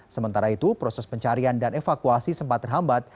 sementara itu proses pencarian dan evakuasi sempat terhambat